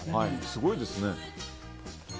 すごいですね。